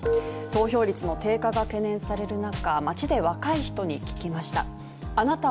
投票率の低下が懸念される中街で若い人に聞きました。